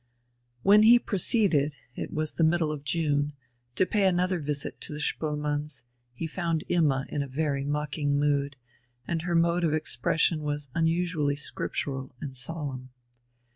When he proceeded it was the middle of June to pay another afternoon visit to the Spoelmanns, he found Imma in a very mocking mood, and her mode of expression was unusually Scriptural and solemn.